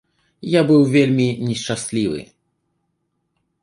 Я быў вельмі нешчаслівы.